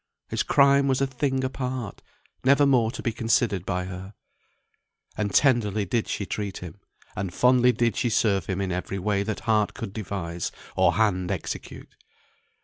His crime was a thing apart, never more to be considered by her. And tenderly did she treat him, and fondly did she serve him in every way that heart could devise, or hand execute.